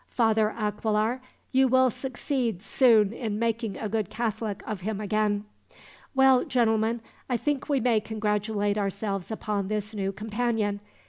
"Father Aquilar, you will succeed soon in making a good Catholic of him, again. "Well, gentlemen, I think we may congratulate ourselves upon this new companion.